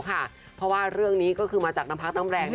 เพราะว่าเรื่องนี้ก็มาจากสถานกรรมพรรณ